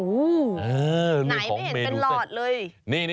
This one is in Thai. ไหนไม่เห็นเป็นหลอดเลย